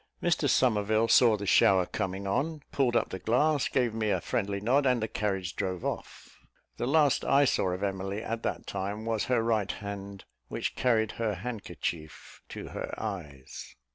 Mr Somerville saw the shower coming on, pulled up the glass, gave me a friendly nod, and the carriage drove off. The last I saw of Emily, at that time, was her right hand, which carried her handkerchief to her eyes.